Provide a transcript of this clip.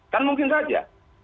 kan mungkin saja